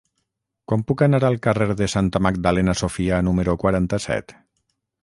Com puc anar al carrer de Santa Magdalena Sofia número quaranta-set?